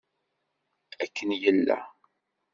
Akken yella.